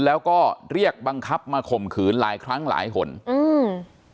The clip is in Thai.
แล้วก็เรียกบังคับมาข่มขืนหลายครั้งหลายคนอืม